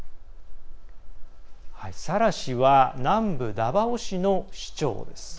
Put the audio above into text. サラ氏は南部ダバオ市の市長です。